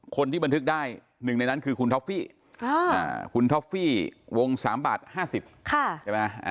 คนที่บันทึกได้๑ในนั้นคือคุณท็อฟฟี่คุณท็อฟฟี่วง๓บาท๕๐ใช่ไหม